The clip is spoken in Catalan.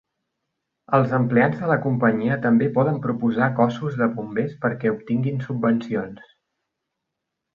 Els empleats de la companyia també poden proposar cossos de bombers perquè obtinguin subvencions.